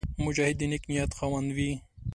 مجاهد د نېک نیت خاوند وي.